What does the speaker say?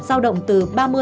sau động từ ba mươi bảy mươi